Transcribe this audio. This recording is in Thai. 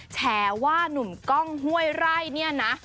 แฉว่านุ่มกล้องห้วยไร่เนี่ยนะ